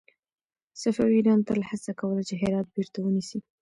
صفوي ایران تل هڅه کوله چې هرات بېرته ونيسي.